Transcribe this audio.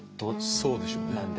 そうでしょうね。